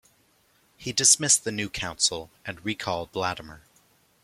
He dismissed the new council and recalled Latimer.